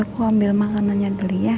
aku ambil makanannya dulu ya